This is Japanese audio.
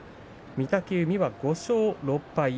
御嶽海は５勝６敗。